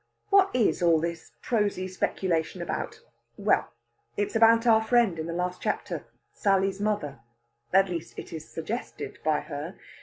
What is all this prosy speculation about? Well, it's about our friend in the last chapter, Sally's mother. At least, it is suggested by her.